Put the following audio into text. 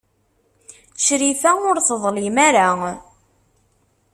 Crifa ur teḍlim ara.